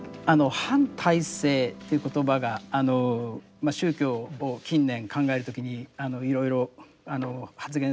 反体制という言葉があの宗教を近年考える時にいろいろ発言